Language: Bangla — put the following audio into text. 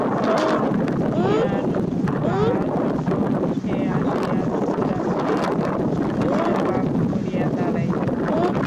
তখন মুক্তিয়ার খাঁ সম্মুখে আসিয়া যুবরাজকে সেলাম করিয়া দাঁড়াইল।